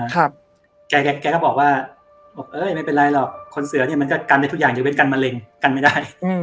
แกก็บอกว่าเอ้ยไม่เป็นไรหรอกคนเสือนั้งก็กันได้ทุกอย่างอย่างเวนกันมะเร็งกันไม่ได้